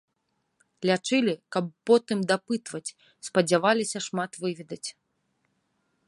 Лячылі, каб потым дапытваць, спадзяваліся шмат выведаць.